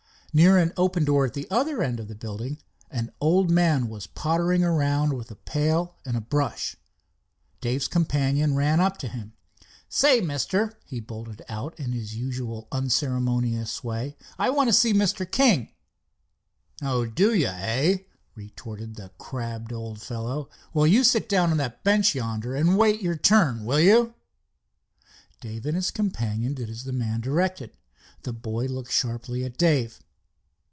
Near an open door at the other end of the building an old man was pottering around with a pail and a brush. Dave's companion ran up to him. "Say, Mister," he bolted out in his usual unceremonious way, "I want to see Mr. King." "Oh, you do, eh?" retorted the crabbed old fellow. "Well, you sit down on that bench yonder and wait your turn, will you?" Dave and his companion did as the man directed. The boy looked sharply at Dave.